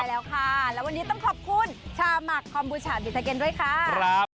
แล้ววันนี้ต้องขอบคุณชาหมักคอมบูชาบีทาเก็นด้วยค่ะ